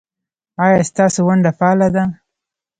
ایا ستاسو ونډه فعاله ده؟